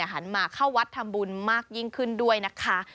หันมาเข้าวัดทำบุญมากยิ่งขึ้นด้วยนะคะ